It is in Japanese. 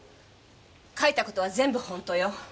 書いたことは全部本当よ。